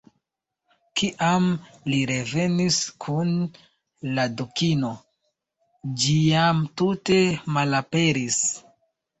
Kiam li revenis kun la Dukino, ĝi jam tute malaperis.